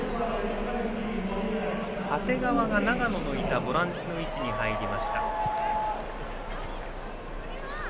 長谷川が、長野のいたボランチの位置に入りました。